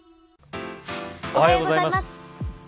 おはようございます。